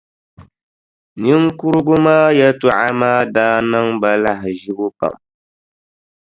Niŋkurugu maa yɛltɔɣa maa daa niŋ ba lahaʒibu pam.